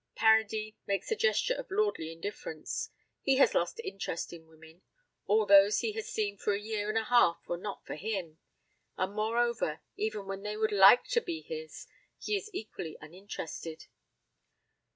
Paradis makes a gesture of lordly indifference. He has lost interest in women all those he has seen for a year and a half were not for him; and moreover, even when they would like to be his, he is equally uninterested.